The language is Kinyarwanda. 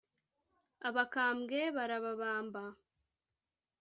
abakambwe barababamba